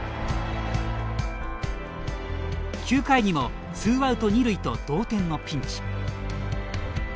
９回にも、ツーアウト２塁と同点のピンチ。